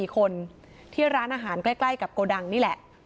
๔คนที่ร้านอาหารใกล้กับโกดังนี่แหละ